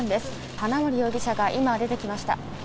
花森容疑者が今、出てきました。